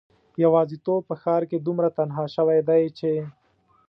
یوازیتوب په ښار کې دومره تنها شوی دی چې